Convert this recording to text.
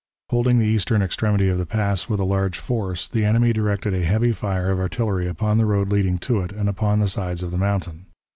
Holding the eastern extremity of the pass with a large force, the enemy directed a heavy fire of artillery upon the road leading to it and upon the sides of the mountain.